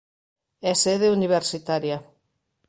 É sede universitaria.